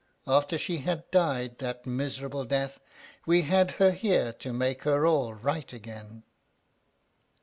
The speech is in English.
After she had died that miserable death, we had her here, to make her all right again."